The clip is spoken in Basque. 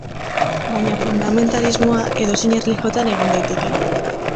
Baina fundamentalismoa edozein erlijiotan egon daiteke.